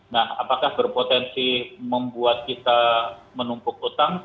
nah apakah berpotensi membuat kita menumpuk utang